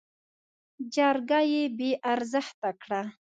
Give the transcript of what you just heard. جرګه يې بې ارزښته کړه.